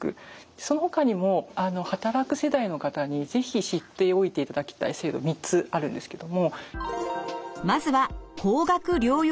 そのほかにも働く世代の方に是非知っておいていただきたい制度３つあるんですけども。